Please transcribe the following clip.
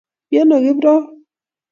Miano Kiprop?